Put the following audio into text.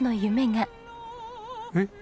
えっ！？